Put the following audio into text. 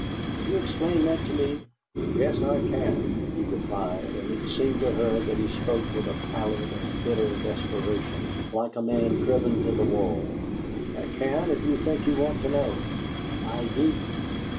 Can you explain that to me?" "Yes, I can," he replied, and it seemed to her that he spoke with a pallid and bitter desperation, like a man driven to the wall. "I can if you think you want to know." "I do."